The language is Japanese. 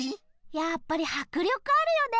やっぱりはくりょくあるよね